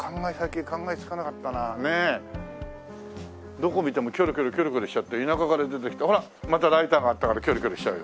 どこ見てもキョロキョロキョロキョロしちゃって田舎から出てきたほらまたライターがあったからキョロキョロしちゃうよ。